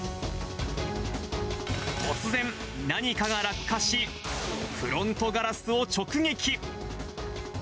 突然、何かが落下し、フロントガラスを直撃。